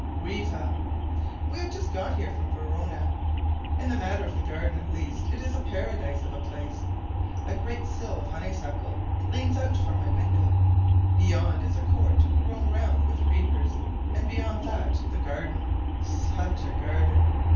Riva. We have just got here from Verona. In the matter of the garden at least it is a Paradise of a place. A great sill of honeysuckle leans out from my window: beyond is a court grown round with creepers, and beyond that the garden such a garden!